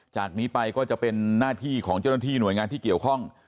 จากนี้ไปก็จะเป็นหน้าที่ของเจ้าหน้าที่หน่วยงานที่เกี่ยวข้อง